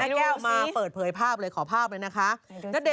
แก้วมาเปิดเผยภาพเลยขอภาพเลยนะคะ